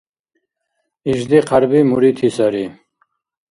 Ишди хъярби мурити сари!